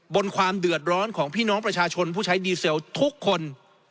ความเดือดร้อนของพี่น้องประชาชนผู้ใช้ดีเซลทุกคน